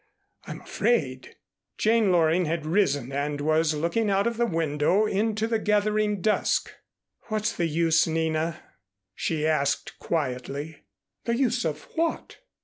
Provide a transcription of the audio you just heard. I'm afraid " Jane Loring had risen and was looking out of the window into the gathering dusk. "What's the use, Nina?" she asked quietly. "The use of what?"